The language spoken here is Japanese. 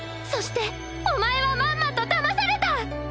そしてお前はまんまとだまされた。